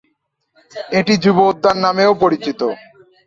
এটি যুব উদ্যান নামেও পরিচিত।